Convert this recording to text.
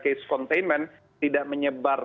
case containment tidak menyebar